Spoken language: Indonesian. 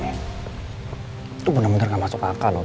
itu bener bener gak masuk akal loh